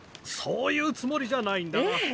そういうつもりじゃないんだが。